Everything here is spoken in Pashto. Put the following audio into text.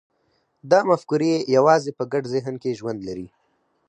دا مفکورې یوازې په ګډ ذهن کې ژوند لري.